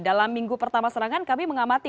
dalam minggu pertama serangan kami mengamati